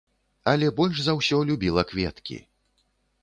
Але больш за ўсё любіла кветкі.